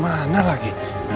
pertarungan mana lagi